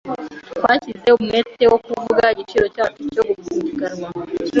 Twashyizeho umwete wo kuvuga igiciro cyacu cyo gupiganwa.